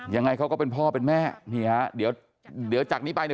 ยังไงเขาก็เป็นพ่อเป็นแม่นี่ฮะเดี๋ยวเดี๋ยวจากนี้ไปเนี่ย